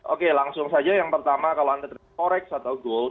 oke langsung saja yang pertama kalau anda tidak corex atau gold